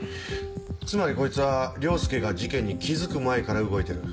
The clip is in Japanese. つまりこいつは凌介が事件に気付く前から動いてる。